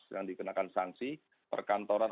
yang dikenakan sanksi perkantoran